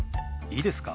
いいですか？